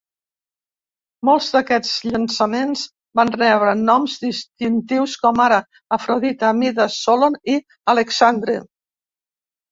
Molts d'aquests llançaments van rebre noms distintius com ara Afrodita, Midas, Solon i Alexandre.